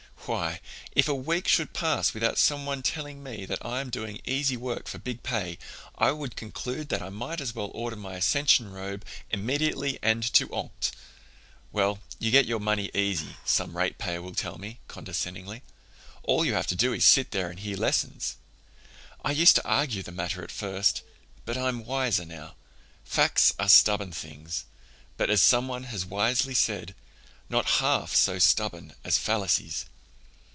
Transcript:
Why, if a week should pass without some one telling me that I am doing easy work for big pay I would conclude that I might as well order my ascension robe 'immediately and to onct.' 'Well, you get your money easy,' some rate payer will tell me, condescendingly. 'All you have to do is to sit there and hear lessons.' I used to argue the matter at first, but I'm wiser now. Facts are stubborn things, but as some one has wisely said, not half so stubborn as fallacies.